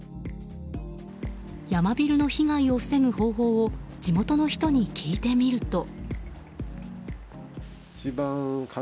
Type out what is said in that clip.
ヤマビルの被害を防ぐ方法を地元の人に聞いてみると。